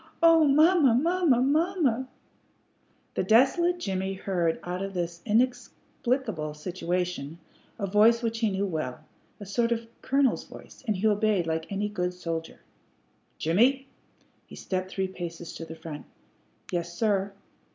"Oh, mamma! mamma! mamma!" The desolate Jimmie heard out of this inexplicable situation a voice which he knew well, a sort of colonel's voice, and he obeyed like any good soldier. "Jimmie!" He stepped three paces to the front. "Yes, sir."